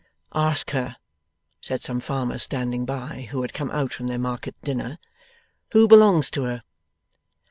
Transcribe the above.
'Ask her,' said some farmers standing by, who had come out from their market dinner, 'who belongs to her.